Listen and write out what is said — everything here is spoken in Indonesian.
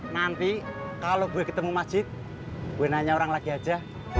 nanti kalau gue ketemu masjid gue nanya orang lagi aja